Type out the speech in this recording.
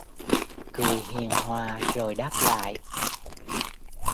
Cười hiền hòa rồi đáp lại